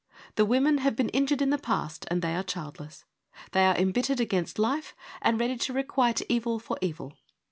The women have been injured in the past and they are childless. They are embittered against life and ready to requite evil for evil.